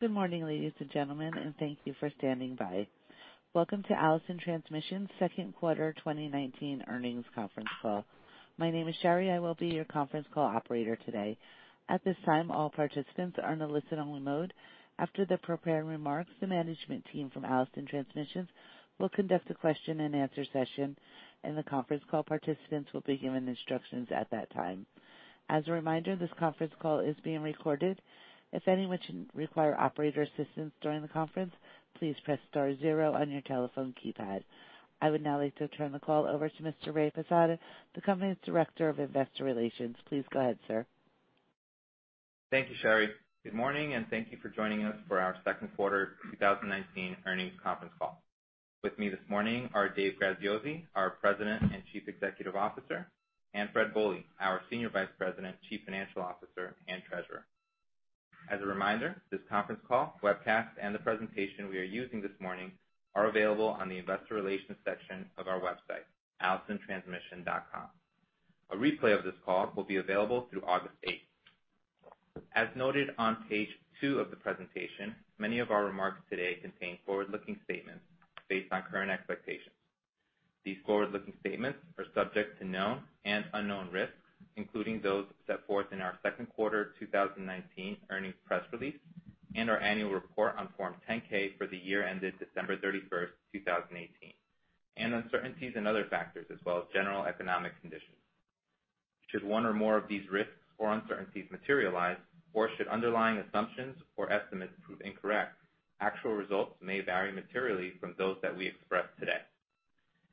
Good morning, ladies and gentlemen, and thank you for standing by. Welcome to Allison Transmission's Second Quarter 2019 Earnings Conference Call. My name is Sherry. I will be your conference call operator today. At this time, all participants are in a listen-only mode. After the prepared remarks, the management team from Allison Transmission will conduct a question-and-answer session, and the conference call participants will be given instructions at that time. As a reminder, this conference call is being recorded. If anyone should require operator assistance during the conference, please press star zero on your telephone keypad. I would now like to turn the call over to Mr. Ray Posada, the company's Director of Investor Relations. Please go ahead, sir. Thank you, Sherry. Good morning, and thank you for joining us for our second quarter 2019 earnings conference call. With me this morning are Dave Graziosi, our President and Chief Executive Officer, and Fred Bohley, our Senior Vice President, Chief Financial Officer, and Treasurer. As a reminder, this conference call, webcast, and the presentation we are using this morning are available on the investor relations section of our website, allisontransmission.com. A replay of this call will be available through August 8. As noted on page 2 of the presentation, many of our remarks today contain forward-looking statements based on current expectations. These forward-looking statements are subject to known and unknown risks, including those set forth in our second quarter 2019 earnings press release and our annual report on Form 10-K for the year ended December 31, 2018, and uncertainties and other factors, as well as general economic conditions. Should one or more of these risks or uncertainties materialize, or should underlying assumptions or estimates prove incorrect, actual results may vary materially from those that we express today.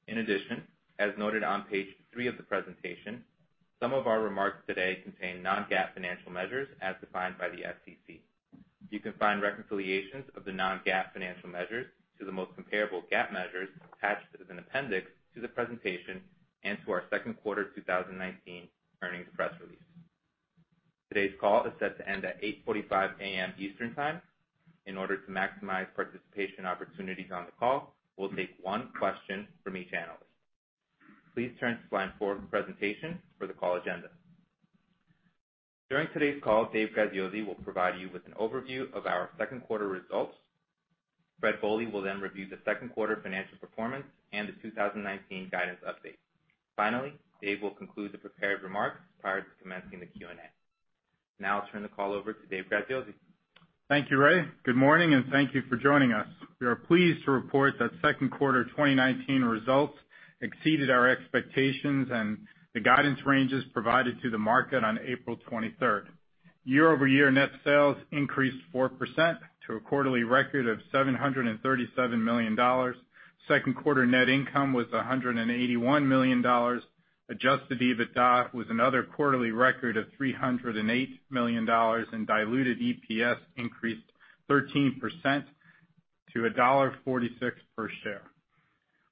In addition, as noted on page 3 of the presentation, some of our remarks today contain non-GAAP financial measures as defined by the SEC. You can find reconciliations of the non-GAAP financial measures to the most comparable GAAP measures attached as an appendix to the presentation and to our second quarter 2019 earnings press release. Today's call is set to end at 8:45 A.M. Eastern Time. In order to maximize participation opportunities on the call, we'll take one question from each analyst. Please turn to slide 4 of the presentation for the call agenda. During today's call, Dave Graziosi will provide you with an overview of our second quarter results. Fred Bohley will then review the second quarter financial performance and the 2019 guidance update. Finally, Dave will conclude the prepared remarks prior to commencing the Q&A. Now I'll turn the call over to Dave Graziosi. Thank you, Ray. Good morning, and thank you for joining us. We are pleased to report that second quarter 2019 results exceeded our expectations and the guidance ranges provided to the market on April 23. Year-over-year net sales increased 4% to a quarterly record of $737 million. Second quarter net income was $181 million. Adjusted EBITDA was another quarterly record of $308 million, and diluted EPS increased 13% to $1.46 per share.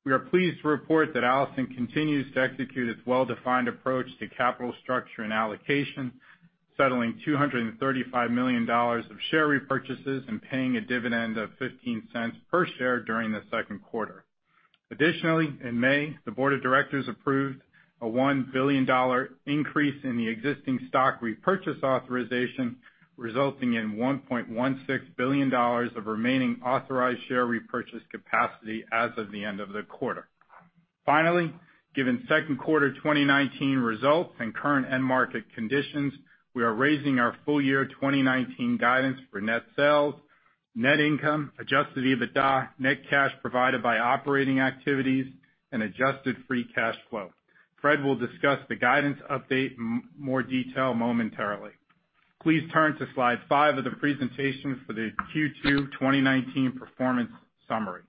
We are pleased to report that Allison continues to execute its well-defined approach to capital structure and allocation, settling $235 million of share repurchases and paying a dividend of $0.15 per share during the second quarter. Additionally, in May, the board of directors approved a $1 billion increase in the existing stock repurchase authorization, resulting in $1.16 billion of remaining authorized share repurchase capacity as of the end of the quarter. Finally, given second quarter 2019 results and current end market conditions, we are raising our full year 2019 guidance for net sales, net income, Adjusted EBITDA, net cash provided by operating activities, and Adjusted Free Cash Flow. Fred will discuss the guidance update in more detail momentarily. Please turn to slide 5 of the presentation for the Q2 2019 performance summary.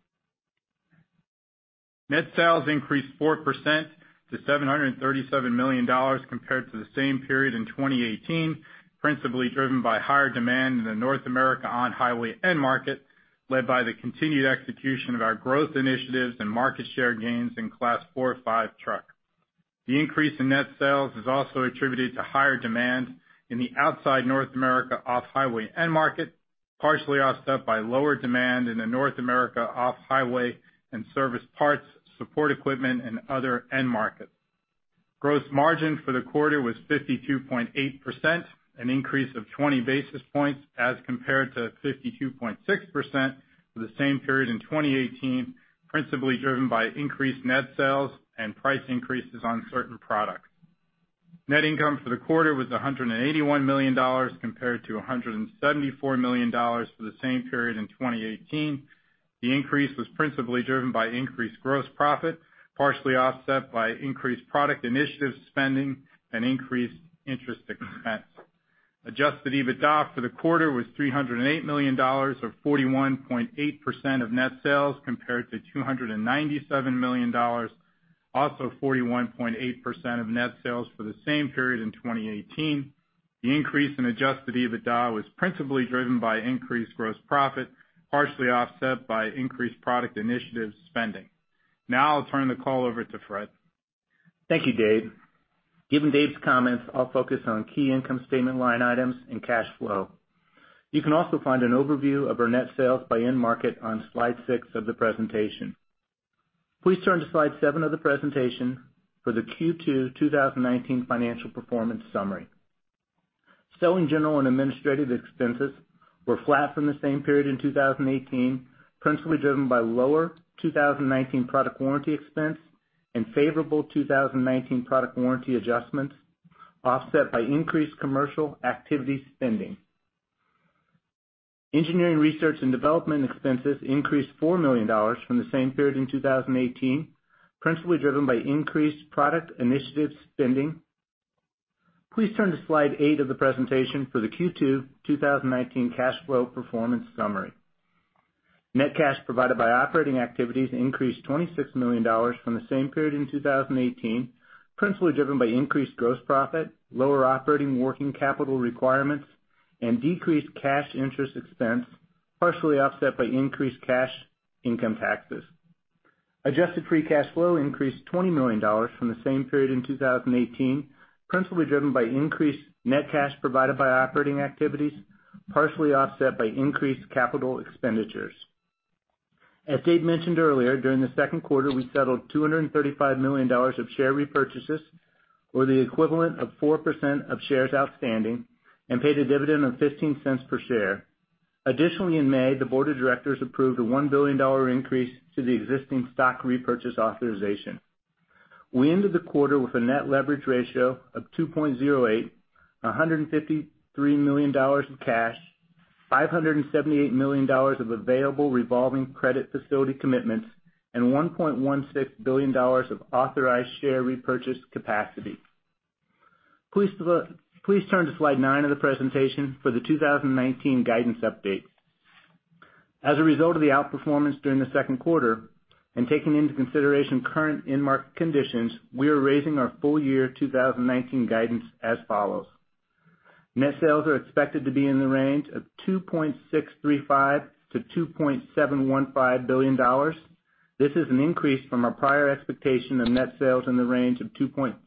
Net sales increased 4% to $737 million compared to the same period in 2018, principally driven by higher demand in the North America on-highway end market, led by the continued execution of our growth initiatives and market share gains in Class 4, 5 truck. The increase in net sales is also attributed to higher demand in the outside North America off-highway end market, partially offset by lower demand in the North America off-highway and service parts, support equipment, and other end markets. Gross margin for the quarter was 52.8%, an increase of 20 basis points as compared to 52.6% for the same period in 2018, principally driven by increased net sales and price increases on certain products. Net income for the quarter was $181 million, compared to $174 million for the same period in 2018. The increase was principally driven by increased gross profit, partially offset by increased product initiative spending and increased interest expense. Adjusted EBITDA for the quarter was $308 million, or 41.8% of net sales, compared to $297 million, also 41.8% of net sales for the same period in 2018. The increase in Adjusted EBITDA was principally driven by increased gross profit, partially offset by increased product initiative spending. Now I'll turn the call over to Fred. Thank you, Dave. Given Dave's comments, I'll focus on key income statement line items and cash flow. You can also find an overview of our net sales by end market on slide 6 of the presentation. ... Please turn to slide 7 of the presentation for the Q2 2019 financial performance summary. Selling, general, and administrative expenses were flat from the same period in 2018, principally driven by lower 2019 product warranty expense and favorable 2019 product warranty adjustments, offset by increased commercial activity spending. Engineering, research, and development expenses increased $4 million from the same period in 2018, principally driven by increased product initiative spending. Please turn to slide 8 of the presentation for the Q2 2019 cash flow performance summary. Net cash provided by operating activities increased $26 million from the same period in 2018, principally driven by increased gross profit, lower operating working capital requirements, and decreased cash interest expense, partially offset by increased cash income taxes. Adjusted Free Cash Flow increased $20 million from the same period in 2018, principally driven by increased net cash provided by operating activities, partially offset by increased capital expenditures. As Dave mentioned earlier, during the second quarter, we settled $235 million of share repurchases, or the equivalent of 4% of shares outstanding, and paid a dividend of $0.15 per share. Additionally, in May, the board of directors approved a $1 billion increase to the existing stock repurchase authorization. We ended the quarter with a net leverage ratio of 2.08, $153 million in cash, $578 million of available revolving credit facility commitments, and $1.16 billion of authorized share repurchase capacity. Please turn to slide nine of the presentation for the 2019 guidance update. As a result of the outperformance during the second quarter, and taking into consideration current end market conditions, we are raising our full year 2019 guidance as follows: Net sales are expected to be in the range of $2.635 billion-$2.715 billion. This is an increase from our prior expectation of net sales in the range of $2.58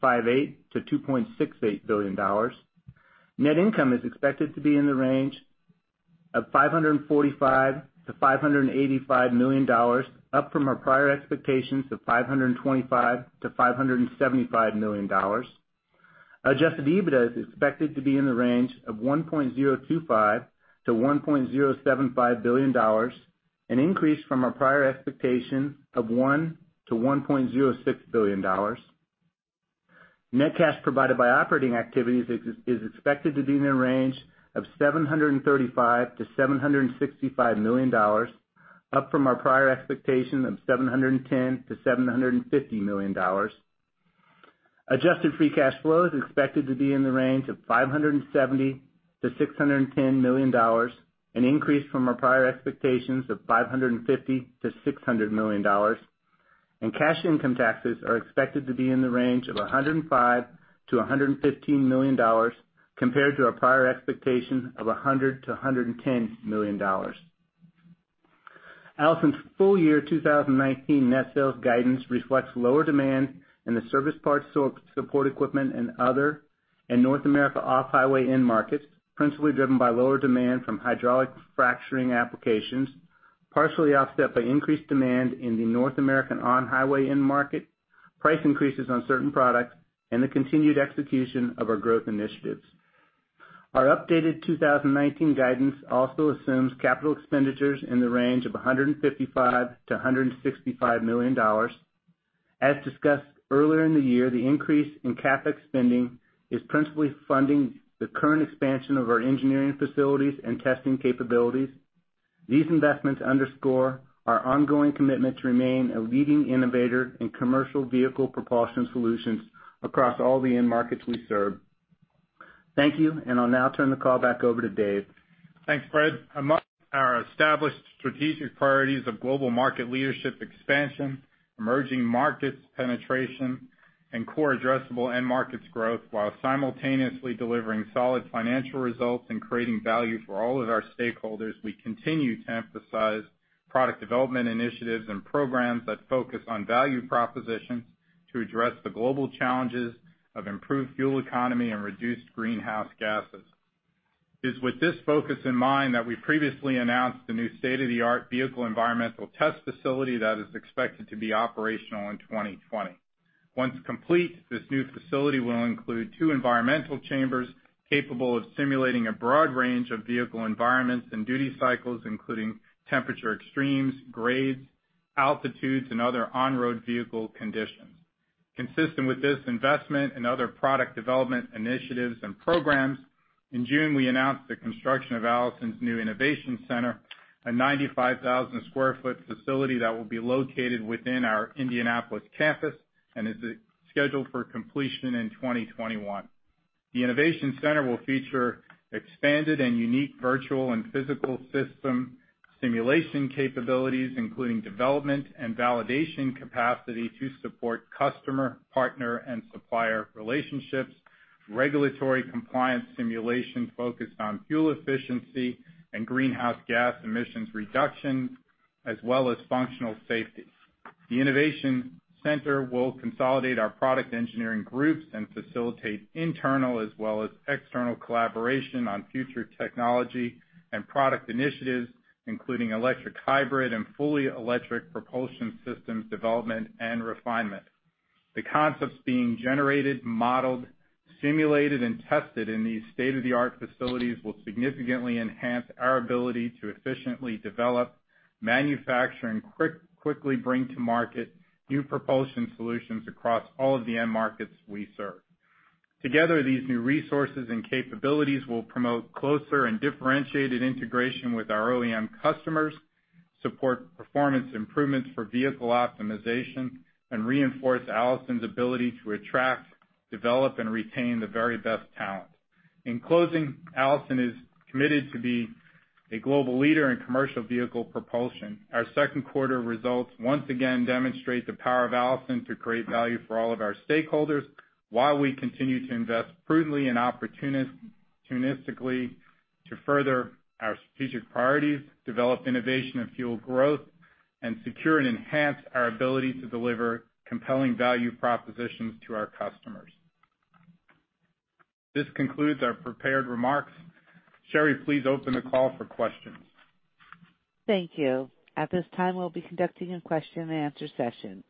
billion-$2.68 billion. Net income is expected to be in the range of $545 million-$585 million, up from our prior expectations of $525 million-$575 million. Adjusted EBITDA is expected to be in the range of $1.025 billion-$1.075 billion, an increase from our prior expectation of $1 billion-$1.06 billion. Net cash provided by operating activities is expected to be in the range of $735 million-$765 million, up from our prior expectation of $710 million-$750 million. Adjusted free cash flow is expected to be in the range of $570 million-$610 million, an increase from our prior expectations of $550 million-$600 million. Cash income taxes are expected to be in the range of $105 million-$115 million, compared to our prior expectation of $100 million-$110 million. Allison's full year 2019 net sales guidance reflects lower demand in the service parts support equipment and other in North America off-highway end markets, principally driven by lower demand from hydraulic fracturing applications, partially offset by increased demand in the North American on-highway end market, price increases on certain products, and the continued execution of our growth initiatives. Our updated 2019 guidance also assumes capital expenditures in the range of $155 million-$165 million. As discussed earlier in the year, the increase in CapEx spending is principally funding the current expansion of our engineering facilities and testing capabilities. These investments underscore our ongoing commitment to remain a leading innovator in commercial vehicle propulsion solutions across all the end markets we serve. Thank you, and I'll now turn the call back over to Dave. Thanks, Fred. Among our established strategic priorities of global market leadership expansion, emerging markets penetration, and core addressable end markets growth, while simultaneously delivering solid financial results and creating value for all of our stakeholders, we continue to emphasize product development initiatives and programs that focus on value propositions to address the global challenges of improved fuel economy and reduced greenhouse gases. It is with this focus in mind that we previously announced the new state-of-the-art Vehicle Environmental Test Facility that is expected to be operational in 2020. Once complete, this new facility will include two environmental chambers capable of simulating a broad range of vehicle environments and duty cycles, including temperature extremes, grades, altitudes, and other on-road vehicle conditions. Consistent with this investment and other product development initiatives and programs, in June, we announced the construction of Allison's new Innovation Center, a 95,000 sq ft facility that will be located within our Indianapolis campus, and is scheduled for completion in 2021. The Innovation Center will feature expanded and unique virtual and physical system simulation capabilities, including development and validation capacity to support customer, partner, and supplier relationships, regulatory compliance simulation focused on fuel efficiency and greenhouse gas emissions reduction, as well as functional safety. The Innovation Center will consolidate our product engineering groups and facilitate internal as well as external collaboration on future technology and product initiatives, including electric, hybrid, and fully electric propulsion systems development and refinement. The concepts being generated, modeled, simulated, and tested in these state-of-the-art facilities will significantly enhance our ability to efficiently develop, manufacture, and quickly bring to market new propulsion solutions across all of the end markets we serve. Together, these new resources and capabilities will promote closer and differentiated integration with our OEM customers, support performance improvements for vehicle optimization, and reinforce Allison's ability to attract, develop, and retain the very best talent. In closing, Allison is committed to be a global leader in commercial vehicle propulsion. Our second quarter results once again demonstrate the power of Allison to create value for all of our stakeholders, while we continue to invest prudently and opportunistically to further our strategic priorities, develop innovation and fuel growth, and secure and enhance our ability to deliver compelling value propositions to our customers. This concludes our prepared remarks. Sherry, please open the call for questions. Thank you. At this time, we'll be conducting a question-and-answer session.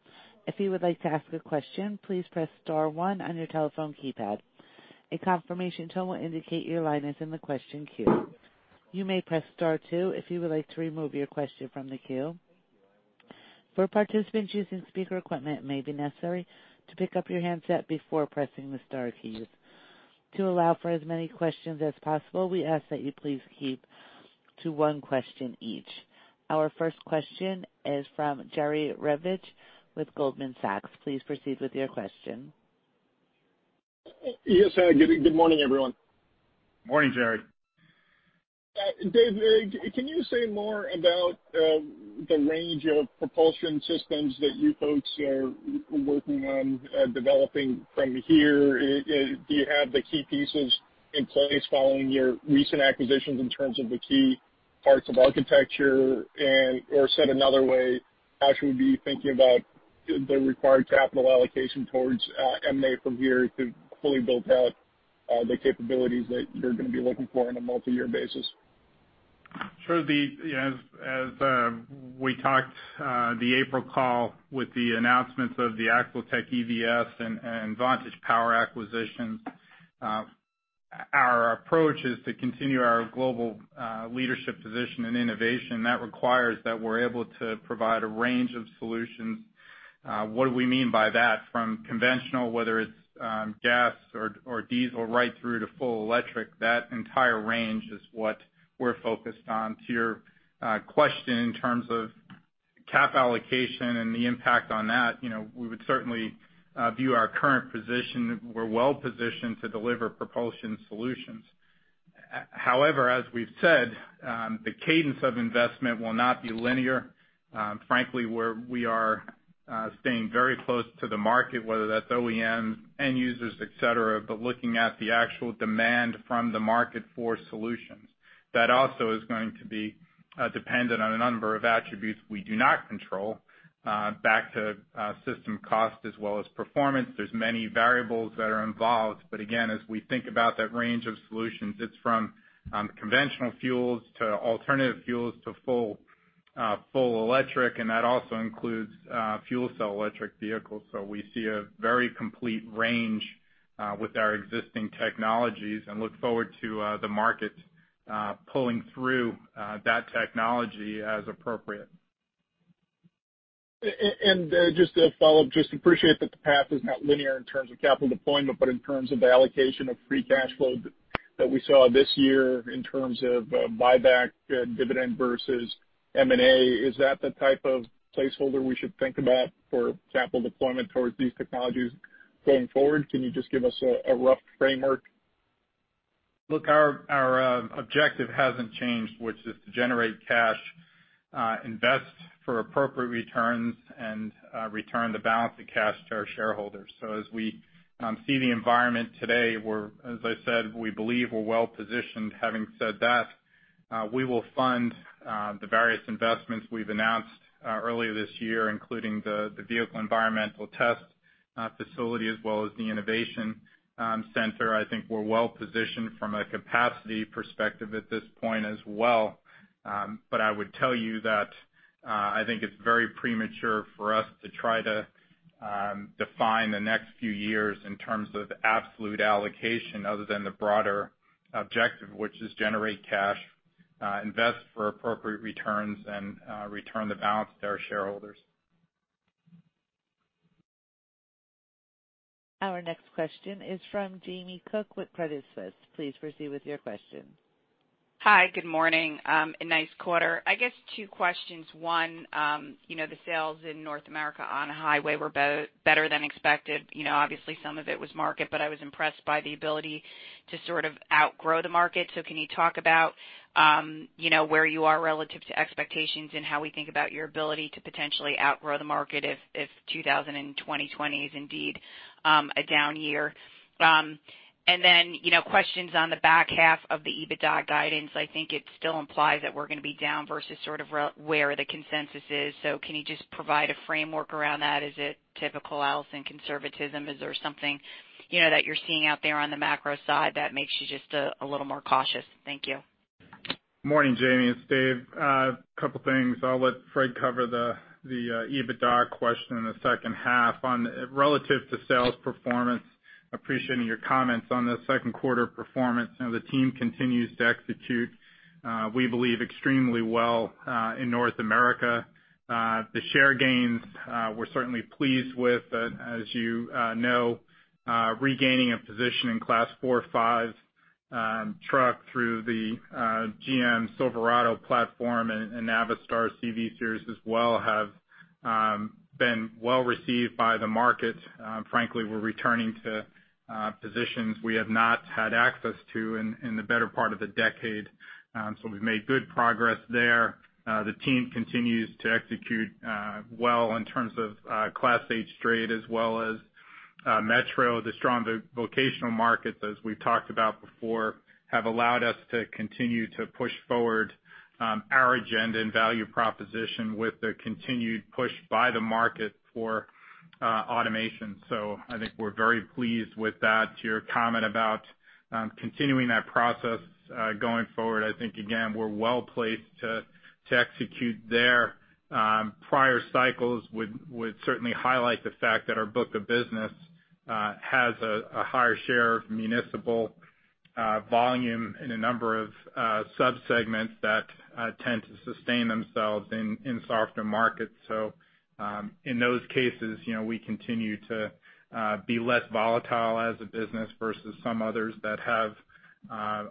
If you would like to ask a question, please press star one on your telephone keypad. A confirmation tone will indicate your line is in the question queue. You may press star two if you would like to remove your question from the queue. For participants using speaker equipment, it may be necessary to pick up your handset before pressing the star key. To allow for as many questions as possible, we ask that you please keep to one question each. Our first question is from Jerry Revich with Goldman Sachs. Please proceed with your question. Yes, good morning, everyone. Morning, Jerry. Dave, can you say more about the range of propulsion systems that you folks are working on developing from here? Do you have the key pieces in place following your recent acquisitions in terms of the key parts of architecture? Or said another way, how should we be thinking about the required capital allocation towards M&A from here to fully build out the capabilities that you're going to be looking for on a multi-year basis? Sure, as we talked, the April call with the announcements of the AxleTech EVS and Vantage Power acquisitions, our approach is to continue our global leadership position in innovation. That requires that we're able to provide a range of solutions. What do we mean by that? From conventional, whether it's gas or diesel, right through to full electric, that entire range is what we're focused on. To your question in terms of capital allocation and the impact on that, you know, we would certainly view our current position, we're well positioned to deliver propulsion solutions. However, as we've said, the cadence of investment will not be linear. Frankly, we are staying very close to the market, whether that's OEM, end users, et cetera, but looking at the actual demand from the market for solutions, that also is going to be dependent on a number of attributes we do not control, back to system cost as well as performance. There's many variables that are involved. But again, as we think about that range of solutions, it's from conventional fuels to alternative fuels to full electric, and that also includes fuel cell electric vehicles. So we see a very complete range with our existing technologies and look forward to the market pulling through that technology as appropriate. And, just to follow up, just appreciate that the path is not linear in terms of capital deployment, but in terms of the allocation of free cash flow that we saw this year in terms of buyback and dividend versus M&A, is that the type of placeholder we should think about for capital deployment towards these technologies going forward? Can you just give us a rough framework? Look, our objective hasn't changed, which is to generate cash, invest for appropriate returns, and return the balance of cash to our shareholders. So as we see the environment today, we're, as I said, we believe we're well positioned. Having said that, we will fund the various investments we've announced earlier this year, including the Vehicle Environmental Test Facility, as well as the Innovation Center. I think we're well positioned from a capacity perspective at this point as well. But I would tell you that I think it's very premature for us to try to define the next few years in terms of absolute allocation, other than the broader objective, which is generate cash, invest for appropriate returns, and return the balance to our shareholders. Our next question is from Jamie Cook with Credit Suisse. Please proceed with your question. Hi, good morning. Nice quarter. I guess two questions. One, you know, the sales in North America on highway were better than expected. You know, obviously, some of it was market, but I was impressed by the ability to sort of outgrow the market. So can you talk about, you know, where you are relative to expectations and how we think about your ability to potentially outgrow the market if 2020 is indeed a down year? And then, you know, questions on the back half of the EBITDA guidance. I think it still implies that we're going to be down versus where the consensus is. So can you just provide a framework around that? Is it typical Allison conservatism? Is there something, you know, that you're seeing out there on the macro side that makes you just a little more cautious? Thank you.... Morning, Jamie, it's Dave. Couple things. I'll let Fred cover the EBITDA question in the second half. On relative to sales performance, appreciating your comments on the second quarter performance, you know, the team continues to execute, we believe extremely well, in North America. The share gains, we're certainly pleased with, but as you know, regaining a position in Class 4, 5 truck through the GM Silverado platform and Navistar CV series as well have been well received by the market. Frankly, we're returning to positions we have not had access to in the better part of the decade. So we've made good progress there. The team continues to execute well in terms of Class 8 straight as well as metro. The strong vocational markets, as we've talked about before, have allowed us to continue to push forward our agenda and value proposition with the continued push by the market for automation. So I think we're very pleased with that. To your comment about continuing that process going forward, I think, again, we're well placed to execute there. Prior cycles would certainly highlight the fact that our book of business has a higher share of municipal volume in a number of sub-segments that tend to sustain themselves in softer markets. So in those cases, you know, we continue to be less volatile as a business versus some others that have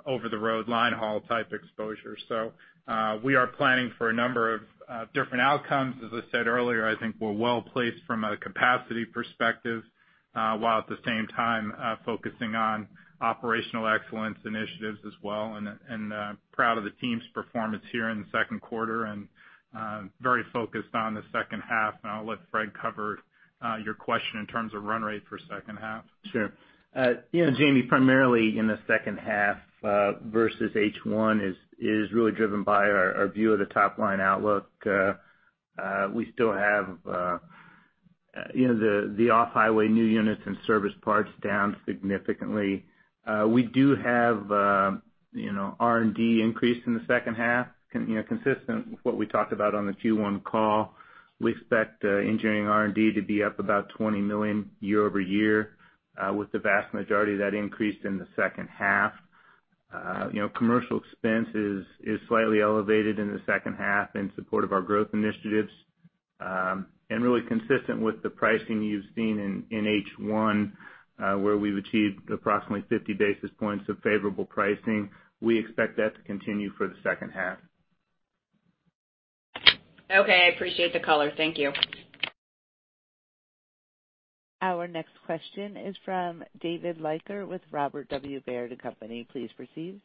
over-the-road line haul type exposure. So we are planning for a number of different outcomes. As I said earlier, I think we're well placed from a capacity perspective, while at the same time, focusing on operational excellence initiatives as well, and proud of the team's performance here in the second quarter, and very focused on the second half. I'll let Fred cover your question in terms of run rate for second half. Sure. You know, Jamie, primarily in the second half versus H1 is really driven by our view of the top line outlook. We still have, you know, the off-highway new units and service parts down significantly. We do have, you know, R&D increase in the second half, you know, consistent with what we talked about on the Q1 call. We expect engineering R&D to be up about $20 million year-over-year, with the vast majority of that increase in the second half. You know, commercial expense is slightly elevated in the second half in support of our growth initiatives. And really consistent with the pricing you've seen in H1, where we've achieved approximately 50 basis points of favorable pricing. We expect that to continue for the second half. Okay, I appreciate the color. Thank you. Our next question is from David Leiker with Robert W. Baird & Co. Please proceed.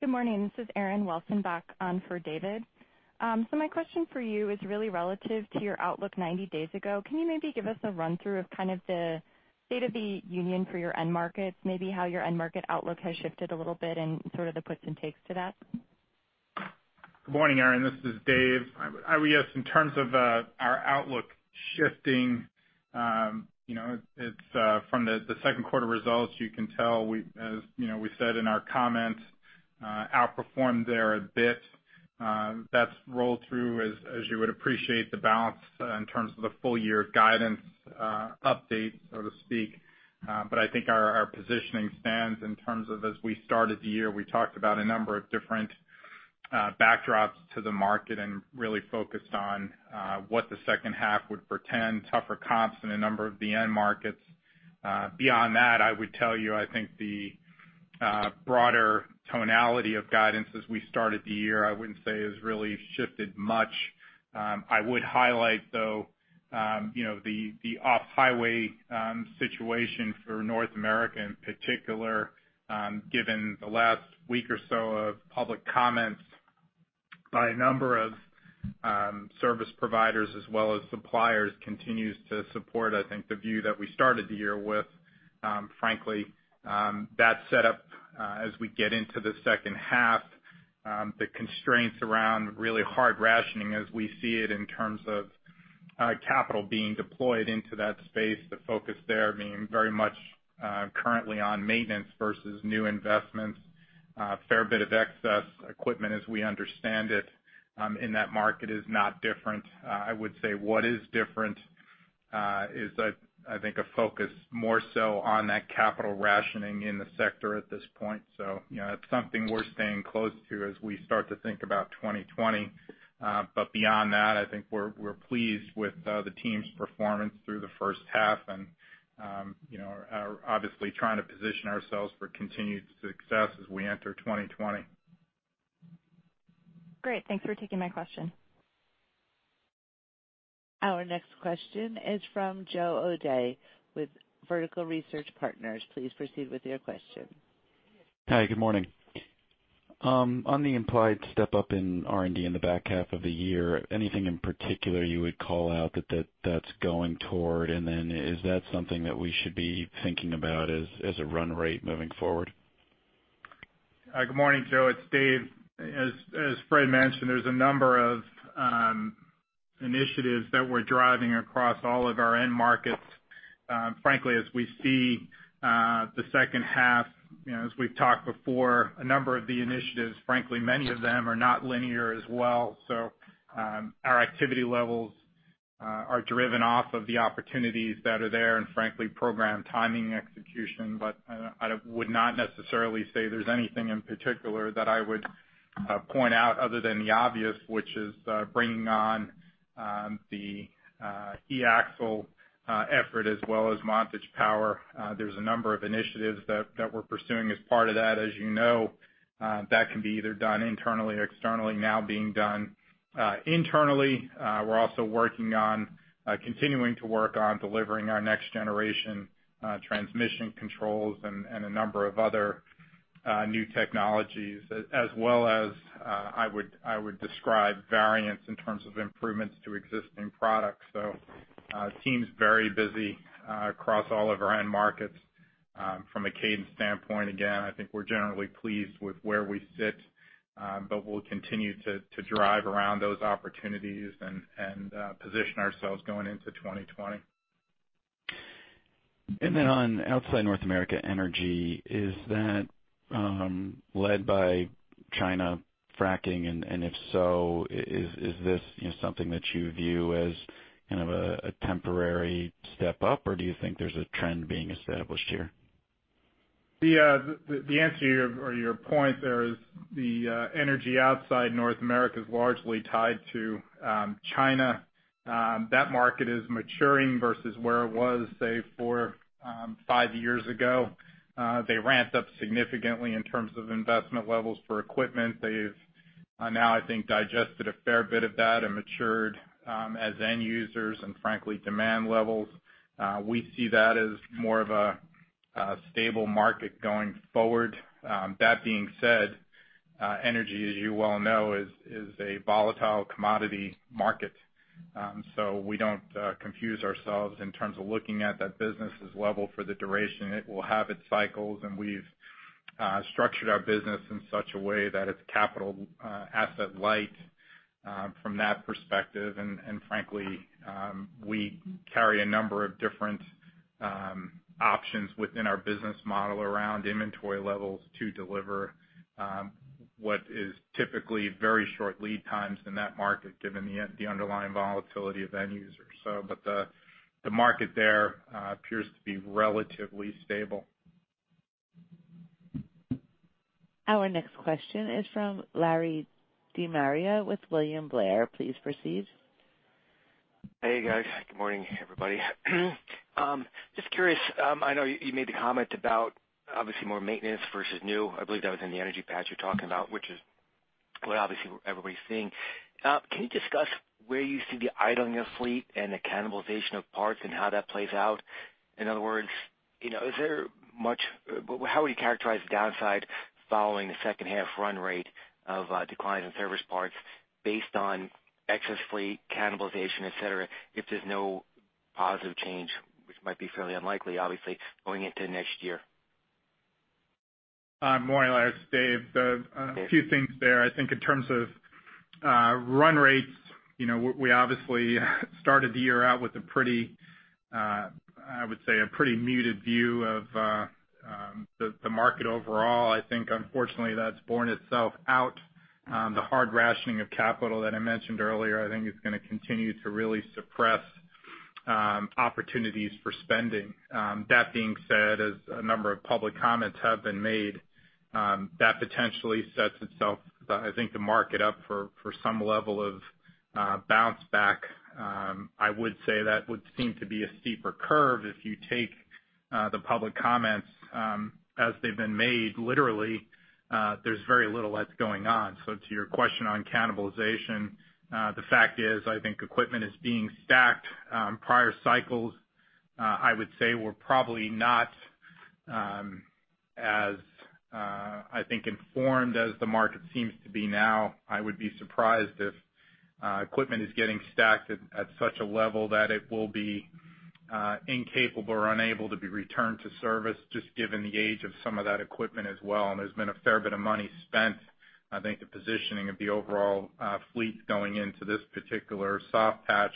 Good morning, this is Erin Welzenbach on for David. So my question for you is really relative to your outlook 90 days ago. Can you maybe give us a run-through of kind of the state of the union for your end markets, maybe how your end market outlook has shifted a little bit and sort of the puts and takes to that? Good morning, Erin, this is Dave. I would guess in terms of our outlook shifting, you know, it's from the second quarter results, you can tell we, as you know, we said in our comments, outperformed there a bit. That's rolled through as you would appreciate the balance in terms of the full year guidance, update, so to speak. But I think our positioning stands in terms of as we started the year, we talked about a number of different backdrops to the market and really focused on what the second half would portend, tougher comps in a number of the end markets. Beyond that, I would tell you, I think the broader tonality of guidance as we started the year, I wouldn't say has really shifted much. I would highlight, though, you know, the off-highway situation for North America in particular, given the last week or so of public comments by a number of service providers as well as suppliers, continues to support, I think, the view that we started the year with. Frankly, that set up as we get into the second half, the constraints around really hard rationing as we see it in terms of capital being deployed into that space, the focus there being very much currently on maintenance versus new investments. A fair bit of excess equipment as we understand it in that market is not different. I would say what is different is, I think, a focus more so on that capital rationing in the sector at this point. So, you know, it's something we're staying close to as we start to think about 2020. But beyond that, I think we're pleased with the team's performance through the first half, and you know, are obviously trying to position ourselves for continued success as we enter 2020. Great. Thanks for taking my question. Our next question is from Joe O'Dea with Vertical Research Partners. Please proceed with your question. Hi, good morning. On the implied step-up in R&D in the back half of the year, anything in particular you would call out that that's going toward? And then is that something that we should be thinking about as a run rate moving forward? Good morning, Joe, it's Dave. As Fred mentioned, there's a number of initiatives that we're driving across all of our end markets. Frankly, as we see the second half, you know, as we've talked before, a number of the initiatives, frankly, many of them are not linear as well. So, our activity levels are driven off of the opportunities that are there, and frankly, program timing execution. But, I would not necessarily say there's anything in particular that I would point out other than the obvious, which is bringing on the E-Axle effort as well as Vantage Power. There's a number of initiatives that we're pursuing as part of that. As you know, that can be either done internally or externally. Now being done internally, we're also working on continuing to work on delivering our next generation transmission controls and a number of other new technologies, as well as, I would describe variance in terms of improvements to existing products. So, team's very busy across all of our end markets. From a cadence standpoint, again, I think we're generally pleased with where we sit, but we'll continue to drive around those opportunities and position ourselves going into 2020. And then, on outside North America energy, is that led by China fracking? And if so, is this, you know, something that you view as kind of a temporary step up, or do you think there's a trend being established here? The answer to your or your point there is the energy outside North America is largely tied to China. That market is maturing versus where it was, say, 4-5 years ago. They ramped up significantly in terms of investment levels for equipment. They've now I think digested a fair bit of that and matured as end users and frankly demand levels. We see that as more of a stable market going forward. That being said, energy, as you well know, is a volatile commodity market. So we don't confuse ourselves in terms of looking at that business as level for the duration. It will have its cycles, and we've structured our business in such a way that it's capital asset light from that perspective. Frankly, we carry a number of different options within our business model around inventory levels to deliver what is typically very short lead times in that market, given the underlying volatility of end users. But the market there appears to be relatively stable. Our next question is from Larry DeMaria with William Blair. Please proceed. Hey, guys. Good morning, everybody. Just curious, I know you made the comment about obviously more maintenance versus new. I believe that was in the energy patch you're talking about, which is what obviously what everybody's seeing. Can you discuss where you see the idling of fleet and the cannibalization of parts and how that plays out? In other words, you know, is there much... How would you characterize the downside following the second half run rate of declines in service parts based on excess fleet cannibalization, et cetera, et cetera, if there's no positive change, which might be fairly unlikely, obviously, going into next year? Morning, Larry, it's Dave. The- Hey. A few things there. I think in terms of run rates, you know, we obviously started the year out with a pretty, I would say a pretty muted view of the market overall. I think unfortunately, that's borne itself out. The hard rationing of capital that I mentioned earlier, I think is gonna continue to really suppress opportunities for spending. That being said, as a number of public comments have been made, that potentially sets itself, I think, the market up for some level of bounce back. I would say that would seem to be a steeper curve if you take the public comments as they've been made literally. There's very little that's going on. So to your question on cannibalization, the fact is, I think equipment is being stacked prior cycles. I would say we're probably not as I think informed as the market seems to be now. I would be surprised if equipment is getting stacked at such a level that it will be incapable or unable to be returned to service, just given the age of some of that equipment as well. And there's been a fair bit of money spent. I think the positioning of the overall fleet going into this particular soft patch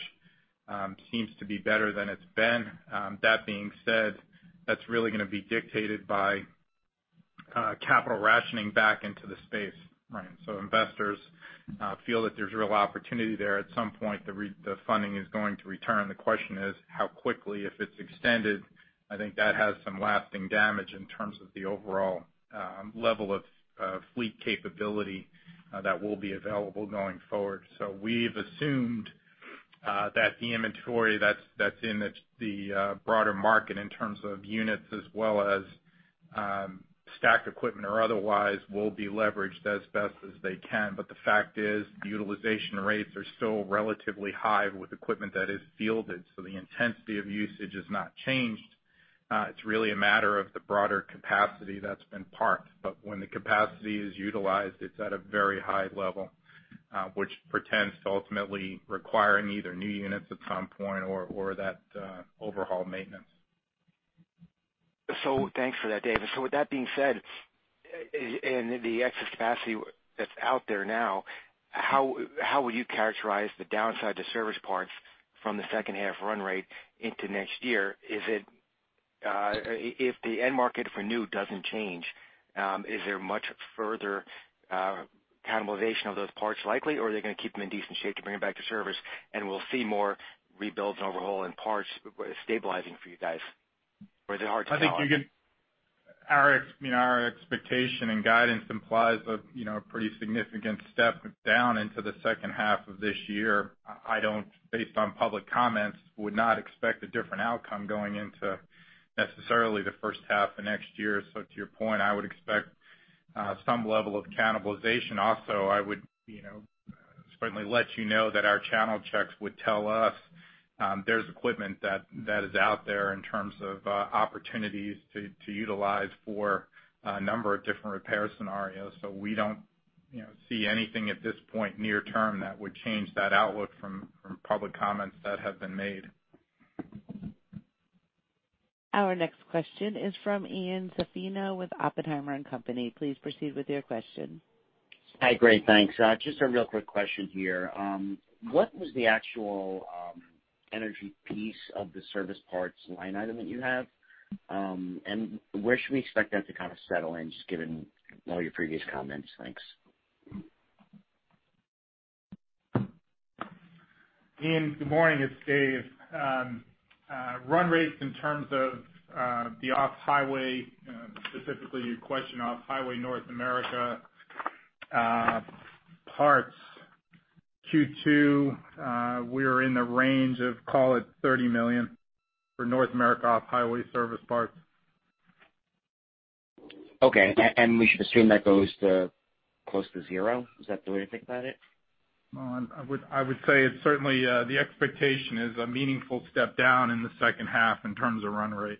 seems to be better than it's been. That being said, that's really gonna be dictated by capital rationing back into the space, right? So investors feel that there's real opportunity there. At some point, the funding is going to return. The question is how quickly. If it's extended, I think that has some lasting damage in terms of the overall level of fleet capability that will be available going forward. So we've assumed that the inventory that's that's in the broader market in terms of units as well as stacked equipment or otherwise will be leveraged as best as they can. But the fact is, the utilization rates are still relatively high with equipment that is fielded, so the intensity of usage has not changed. It's really a matter of the broader capacity that's been parked. But when the capacity is utilized, it's at a very high level which portends to ultimately requiring either new units at some point or or that overhaul maintenance. ... So thanks for that, Dave. And so with that being said, and the excess capacity that's out there now, how would you characterize the downside to service parts from the second half run rate into next year? Is it, if the end market for new doesn't change, is there much further cannibalization of those parts likely, or are they gonna keep them in decent shape to bring them back to service, and we'll see more rebuilds and overhaul in parts stabilizing for you guys, or is it hard to tell? Our, you know, our expectation and guidance implies a, you know, pretty significant step down into the second half of this year. I don't, based on public comments, would not expect a different outcome going into necessarily the first half of next year. So to your point, I would expect some level of cannibalization. Also, I would, you know, certainly let you know that our channel checks would tell us, there's equipment that is out there in terms of opportunities to utilize for a number of different repair scenarios. So we don't, you know, see anything at this point near term that would change that outlook from public comments that have been made. Our next question is from Ian Zaffino with Oppenheimer & Co. Please proceed with your question. Hi, great, thanks. Just a real quick question here. What was the actual energy piece of the service parts line item that you have? And where should we expect that to kind of settle in, just given all your previous comments? Thanks. Ian, good morning, it's Dave. Run rates in terms of the off-highway, specifically your question off-highway North America, parts, Q2, we are in the range of, call it $30 million for North America off-highway service parts. Okay, and we should assume that goes to close to zero? Is that the way to think about it? Well, I would say it's certainly the expectation is a meaningful step down in the second half in terms of run rate.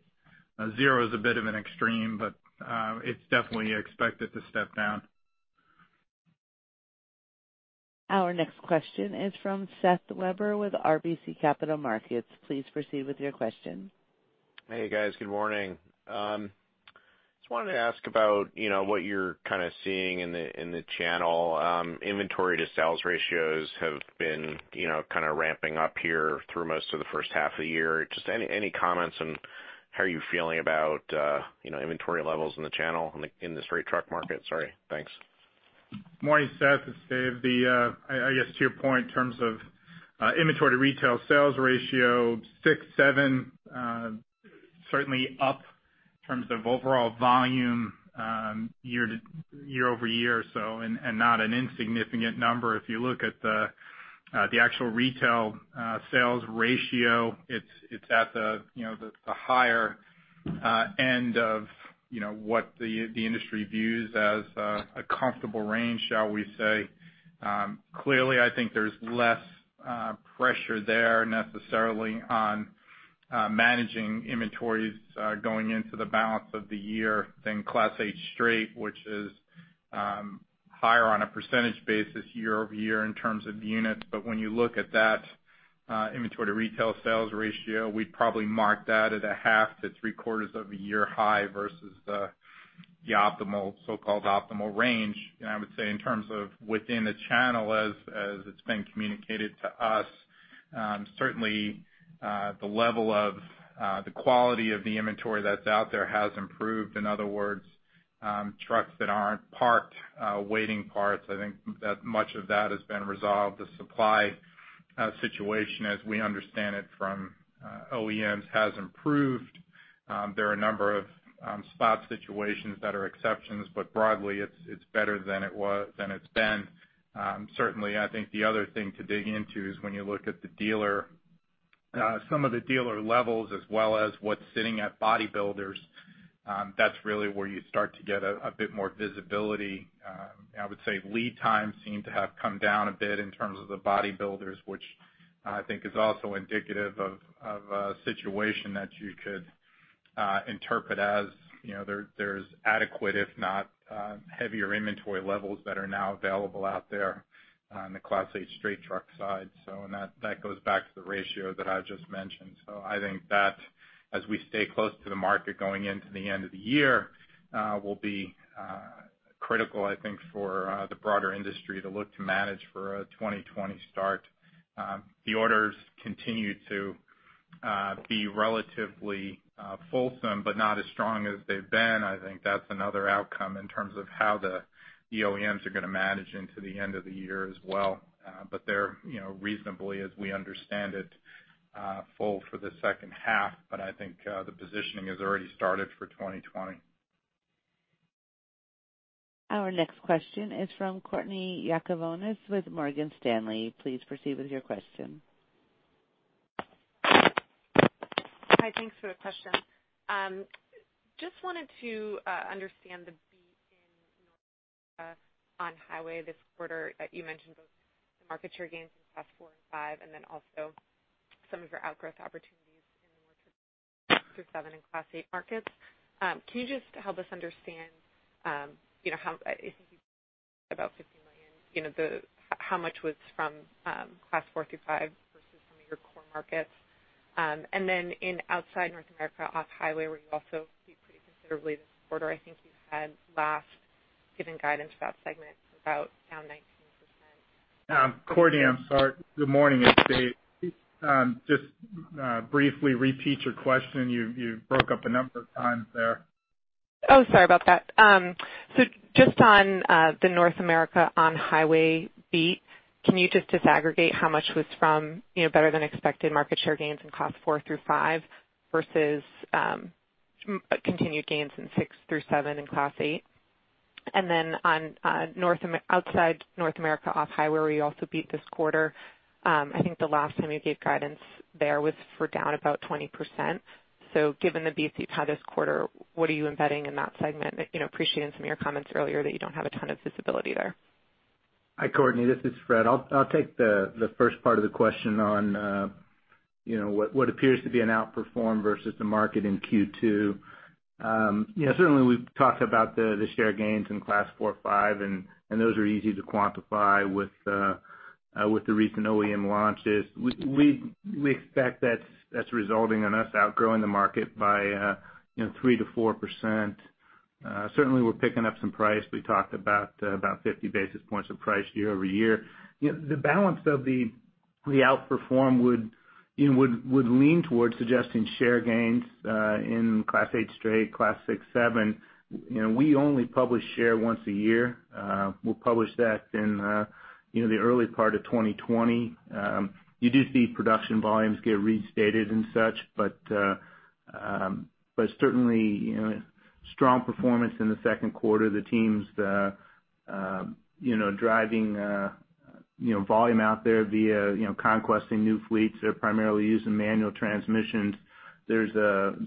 Zero is a bit of an extreme, but it's definitely expected to step down. Our next question is from Seth Weber with RBC Capital Markets. Please proceed with your question. Hey, guys, good morning. Just wanted to ask about, you know, what you're kind of seeing in the, in the channel. Inventory to sales ratios have been, you know, kind of ramping up here through most of the first half of the year. Just any, any comments on how are you feeling about, you know, inventory levels in the channel, in the, in the straight truck market? Sorry, thanks. Morning, Seth, it's Dave. The, I guess to your point in terms of, inventory to retail sales ratio, 6-7, certainly up in terms of overall volume, year-over-year, so, and not an insignificant number. If you look at the, the actual retail, sales ratio, it's at the, you know, the higher end of, you know, what the industry views as a comfortable range, shall we say. Clearly, I think there's less pressure there necessarily on managing inventories, going into the balance of the year than Class 8 Straight, which is higher on a percentage basis year-over-year in terms of units. When you look at that inventory to retail sales ratio, we'd probably mark that at a 0.5-0.75-year high versus the optimal, so-called optimal range. I would say in terms of within the channel as it's been communicated to us, certainly the level of the quality of the inventory that's out there has improved. In other words, trucks that aren't parked waiting parts, I think that much of that has been resolved. The supply situation, as we understand it from OEMs, has improved. There are a number of spot situations that are exceptions, but broadly, it's better than it was, than it's been. Certainly, I think the other thing to dig into is when you look at the dealer, some of the dealer levels, as well as what's sitting at bodybuilders. That's really where you start to get a bit more visibility. I would say lead times seem to have come down a bit in terms of the bodybuilders, which I think is also indicative of a situation that you could interpret as, you know, there's adequate, if not heavier inventory levels that are now available out there on the Class 8 straight truck side. So, that goes back to the ratio that I just mentioned. So I think that as we stay close to the market going into the end of the year, will be critical, I think, for the broader industry to look to manage for a 2020 start. The orders continue to be relatively fulsome, but not as strong as they've been. I think that's another outcome in terms of how the OEMs are gonna manage into the end of the year as well. But they're, you know, reasonably, as we understand it, full for the second half, but I think the positioning has already started for 2020. Our next question is from Courtney Yakavonis with Morgan Stanley. Please proceed with your question. Hi, thanks for the question. Just wanted to understand the beat in North America on-highway this quarter. You mentioned both the market share gains in Class 4 and 5, and then also some of your outgrowth opportunities in the Class 6 through 7 and Class 8 markets. Can you just help us understand, you know, how I think you-... about $50 million, you know, the how much was from class four through five versus some of your core markets? And then in outside North America, off-highway, where you also beat pretty considerably this quarter, I think you said last, given guidance to that segment, about down 19%. Courtney, I'm sorry. Good morning. If you just briefly repeat your question. You broke up a number of times there. Oh, sorry about that. So just on the North America on-highway beat, can you just disaggregate how much was from, you know, better than expected market share gains in Class 4 through 5 versus continued gains in Class 6 through 7 and Class 8? And then on outside North America, off-highway, where you also beat this quarter. I think the last time you gave guidance there was for down about 20%. So given the beat you've had this quarter, what are you embedding in that segment? You know, appreciating some of your comments earlier that you don't have a ton of visibility there. Hi, Courtney, this is Fred. I'll take the first part of the question on what appears to be an outperform versus the market in Q2. Yeah, certainly, we've talked about the share gains in class 4/5, and those are easy to quantify with the recent OEM launches. We expect that's resulting in us outgrowing the market by 3%-4%. Certainly, we're picking up some price. We talked about about 50 basis points of price year-over-year. You know, the balance of the outperform would lean towards suggesting share gains in class 8 straight, class 6, 7. You know, we only publish share once a year. We'll publish that in the early part of 2020. You do see production volumes get restated and such, but certainly, you know, strong performance in the second quarter. The team's, you know, driving, you know, volume out there via, you know, conquesting new fleets. They're primarily using manual transmissions. There's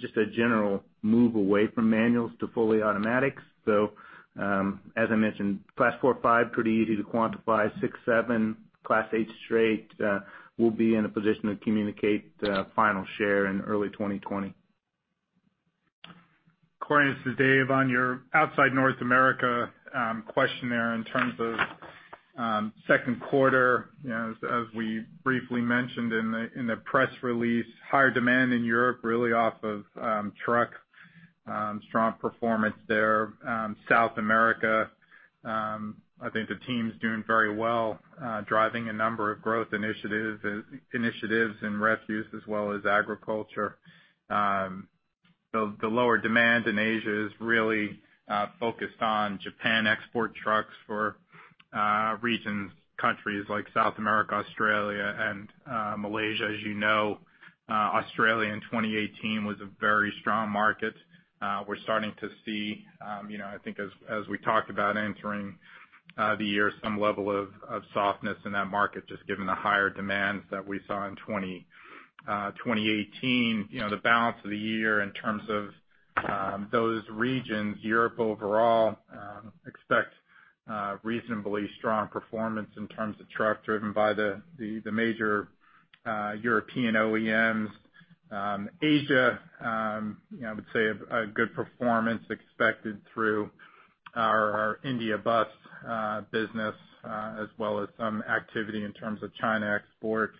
just a general move away from manuals to fully automatics. So, as I mentioned, Class 4/5, pretty easy to quantify. Class 6, 7, Class 8 straight, we'll be in a position to communicate final share in early 2020. Courtney, this is Dave. On your outside North America question there in terms of second quarter, you know, as we briefly mentioned in the press release, higher demand in Europe, really off of truck strong performance there. South America, I think the team's doing very well, driving a number of growth initiatives, initiatives in refuse as well as agriculture. The lower demand in Asia is really focused on Japan export trucks for regions, countries like South America, Australia, and Malaysia. As you know, Australia in 2018 was a very strong market. We're starting to see, you know, I think as we talked about entering the year, some level of softness in that market, just given the higher demands that we saw in 2018. You know, the balance of the year in terms of those regions, Europe overall, expect reasonably strong performance in terms of truck, driven by the major European OEMs. Asia, you know, I would say a good performance expected through our India bus business, as well as some activity in terms of China exports.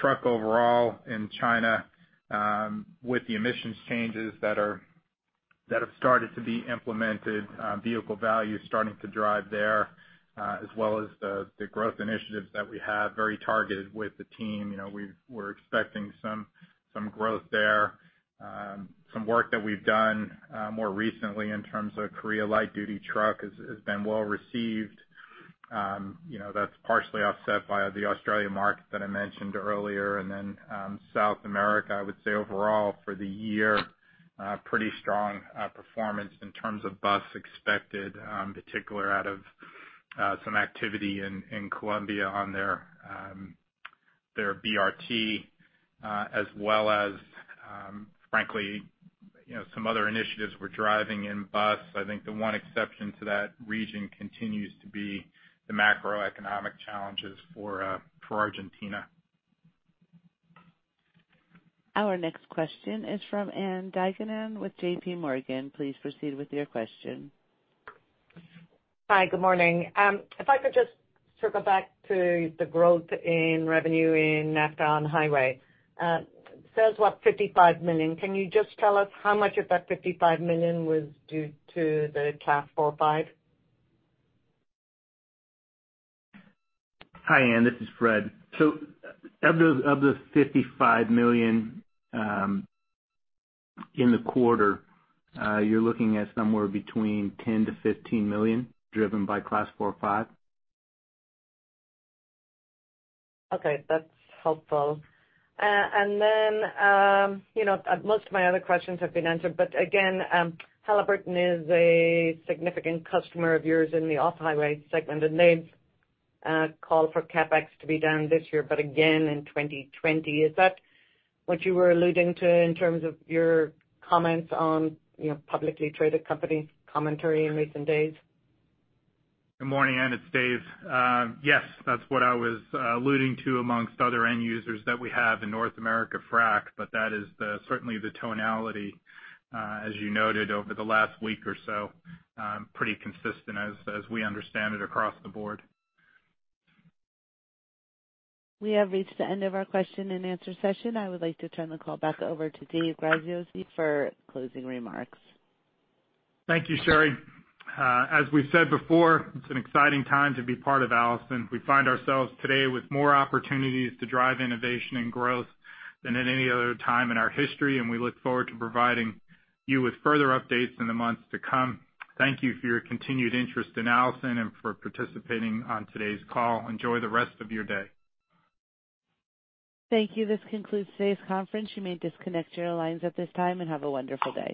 Truck overall in China, with the emissions changes that have started to be implemented, vehicle value is starting to drive there, as well as the growth initiatives that we have, very targeted with the team. You know, we're expecting some growth there. Some work that we've done more recently in terms of Korea light-duty truck has been well received. You know, that's partially offset by the Australia market that I mentioned earlier. And then, South America, I would say overall for the year, pretty strong performance in terms of bus expected, particular out of some activity in, in Colombia on their their BRT, as well as, frankly, you know, some other initiatives we're driving in bus. I think the one exception to that region continues to be the macroeconomic challenges for, for Argentina. Our next question is from Ann Duignan with J.P. Morgan. Please proceed with your question. Hi, good morning. If I could just circle back to the growth in revenue in NAFTA on highway. It says, what, $55 million. Can you just tell us how much of that $55 million was due to the Class 4/5? Hi, Ann, this is Fred. Of the $55 million in the quarter, you're looking at somewhere between $10 million-$15 million, driven by Class 4/5. Okay, that's helpful. And then, you know, most of my other questions have been answered. But again, Halliburton is a significant customer of yours in the off-highway segment, and they've called for CapEx to be down this year, but again in 2020. Is that what you were alluding to in terms of your comments on, you know, publicly traded company commentary in recent days? Good morning, Anne, it's Dave. Yes, that's what I was alluding to amongst other end users that we have in North America, fracking, but that is certainly the tonality, as you noted, over the last week or so. Pretty consistent as we understand it across the board. We have reached the end of our question-and-answer session. I would like to turn the call back over to Dave Graziosi for closing remarks. Thank you, Sherry. As we've said before, it's an exciting time to be part of Allison. We find ourselves today with more opportunities to drive innovation and growth than at any other time in our history, and we look forward to providing you with further updates in the months to come. Thank you for your continued interest in Allison and for participating on today's call. Enjoy the rest of your day. Thank you. This concludes today's conference. You may disconnect your lines at this time, and have a wonderful day.